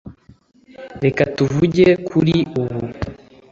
reka tuvuge kuri ubu